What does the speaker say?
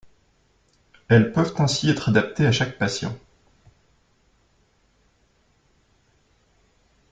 Elles peuvent ainsi être adaptées à chaque patient.